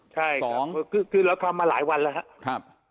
ใช่สองคือเราทำมาหลายวันแล้วครับ